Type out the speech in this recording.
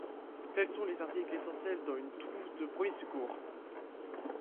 Quels sont les articles essentiels dans une trousse de premiers secours ?